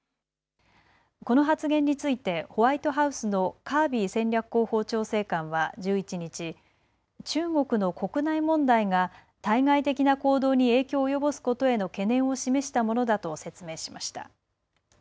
この発言についてホワイトハウスのカービー戦略広報調整官は１１日、中国の国内問題が対外的な行動に影響を及ぼすことへの懸念を示したものだと説明しました。